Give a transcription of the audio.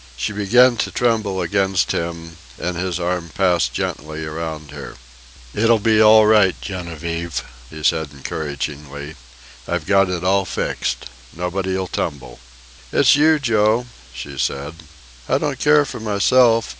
She began to tremble against him, and his arm passed gently around her. "It'll be all right, Genevieve," he said encouragingly. "I've got it all fixed. Nobody'll tumble." "It's you, Joe," she said. "I don't care for myself.